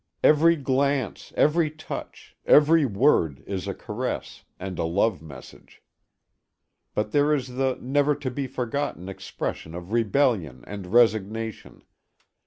Every glance, every touch, every word is a caress, and a love message. But there is the never to be forgotten expression of rebellion and resignation.